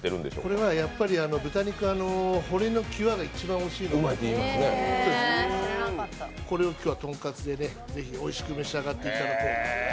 これはやっぱり豚肉は骨の際が一番おいしいと言われているのでこれを今日はとんかつでね、是非おいしく召し上がっていただこうと。